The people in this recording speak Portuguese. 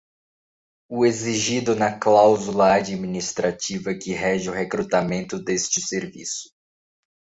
O exigido na cláusula administrativa que rege o recrutamento deste serviço.